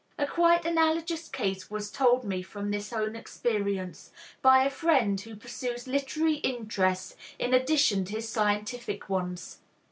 A quite analogous case was told me from his own experience, by a friend who pursues literary interests in addition to his scientific ones.